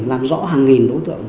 làm rõ hàng nghìn đối tượng